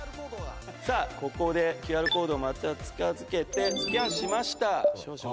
さあここでＱＲコードをまた近づけてスキャンしました。